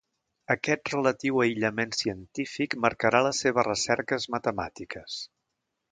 Aquest relatiu aïllament científic marcarà les seves recerques matemàtiques.